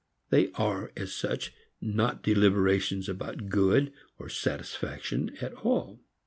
They are, as such, not deliberations about good or satisfaction at all.